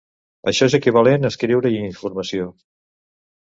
Això és equivalent escriure-hi informació.